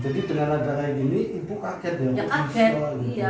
jadi dengan ada kaya gini ibu kaget ya